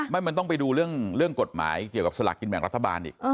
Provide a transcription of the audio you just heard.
ไม่มันต้องไปดูเรื่องกฎหมายเกี่ยวกับสลากกินแบ่งรัฐบาลอีก